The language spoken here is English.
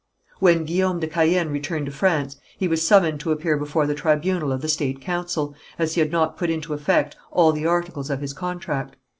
When Guillaume de Caën returned to France, he was summoned to appear before the tribunal of the state council, as he had not put into effect all the articles of his contract.